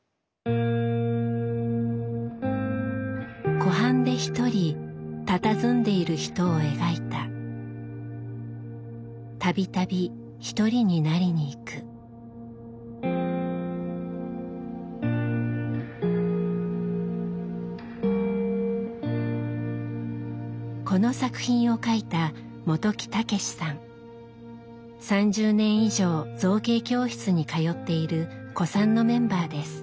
湖畔で独りたたずんでいる人を描いたこの作品を描いた３０年以上造形教室に通っている古参のメンバーです。